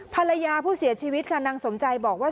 ภรรยาผู้เสียชีวิตค่ะนางสมใจบอกว่า